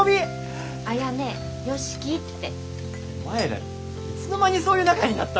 お前らいつの間にそういう仲になったの？